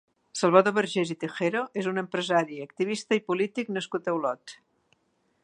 Salvador Vergés i Tejero és un empresari, activista i polític nascut a Olot.